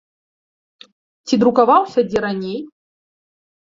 Ці друкаваўся дзе раней?